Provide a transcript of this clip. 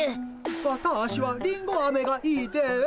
わたしはりんごあめがいいです。